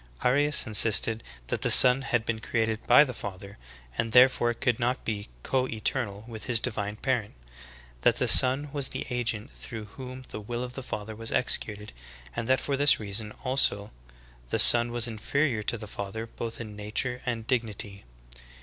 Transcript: Arius insisted that the Son had been created by the Father, and therefore could not be co eternal with His divine Parent; that the Son was the agent through whom the will of the Father was executed, and that for this reason also the Son was inferior to the Father both in nature and dig nity.